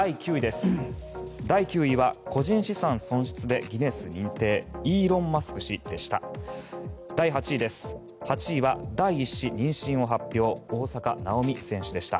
第９位は個人資産損失でギネス認定イーロン・マスク氏でした。